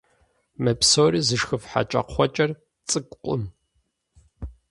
Мы псори зышхыф хьэкӀэкхъуэкӀэр цӀыкӀукъым.